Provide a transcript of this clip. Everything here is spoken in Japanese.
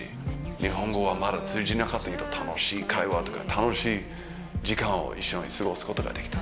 日本語はまだ通じなかったけど楽しい会話とか楽しい時間を一緒に過ごすことができた。